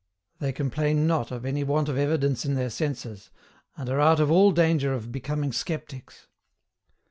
They complain not of any want of evidence in their senses, and are out of all danger of becoming SCEPTICS.